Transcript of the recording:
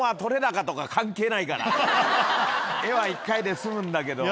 画は１回で済むんだけど。